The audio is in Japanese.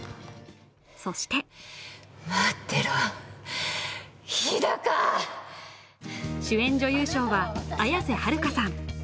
そして主演女優賞は綾瀬はるかさん。